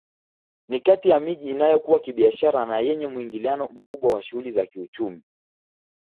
Ni kati ya miji inayokua kibiashara na yenye muingiliano mkubwa wa shughuli za kiuchumi